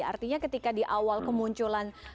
artinya ketika di awal kemunculan sars cov dua